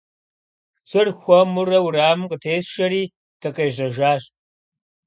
Шыр хуэмурэ уэрамым къытесшэри, дыкъежьэжащ.